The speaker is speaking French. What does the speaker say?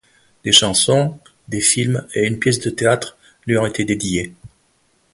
Des chansons, des films et une pièce de théâtre lui ont été dédiés.